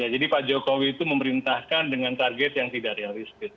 jadi pak jokowi itu memerintahkan dengan target yang tidak realistis